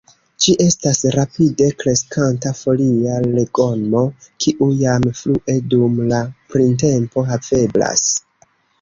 Ĝi estas rapide kreskanta folia legomo, kiu jam frue dum la printempo haveblas.